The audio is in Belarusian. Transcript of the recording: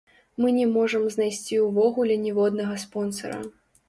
Мы не можам знайсці ўвогуле ніводнага спонсара.